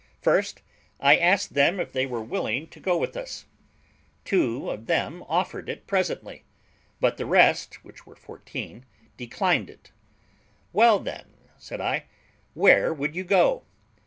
First, I asked them if they were willing to go with us. Two of them offered it presently; but the rest, which were fourteen, declined it. "Well, then," said I, "where would you go?"